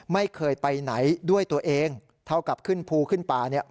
ไม่เคยไปไหนด้วยตัวเองเท่ากับขึ้นภูขึ้นป่าเนี่ย